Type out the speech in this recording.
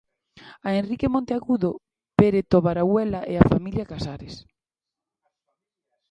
A Henrique Monteagudo, Pere Tobaruela e a familia Casares.